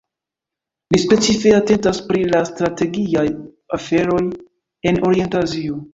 Li specife atentas pri la strategiaj aferoj en Orienta Azio.